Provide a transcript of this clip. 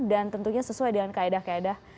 dan tentunya sesuai dengan kaedah kaedah